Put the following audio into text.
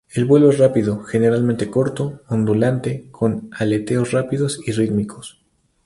El vuelo es rápido, generalmente corto, ondulante, con aleteos rápidos y rítmicos.